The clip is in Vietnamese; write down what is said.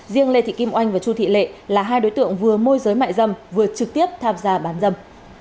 riêng lê thị kim oanh và chu thị lệ là hai đối tượng vừa môi giới mại dâm vừa trực tiếp tham gia bán dâm